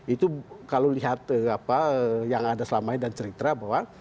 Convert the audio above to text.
itu kalau lihat yang ada selamanya dan cerita bahwa